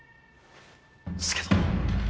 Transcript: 佐殿！